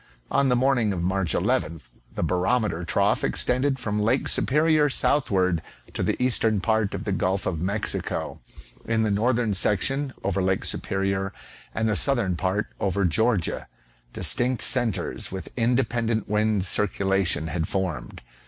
On the morning of Mai'ch 11th the bar ometer trough extended from Lake Superior southward to the eastern part of the Gulf of Mexico ; in the northern section over Lake Superior, and the southern part, over Georgia, distinct centres, with independent wind circulation, had foi'med.